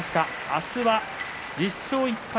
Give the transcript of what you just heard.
明日は１０勝１敗